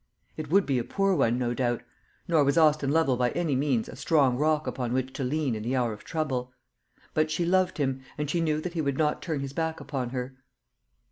It would be a poor one, no doubt; nor was Austin Lovel by any means a strong rock upon which to lean in the hour of trouble. But she loved him, and she knew that he would not turn his back upon her.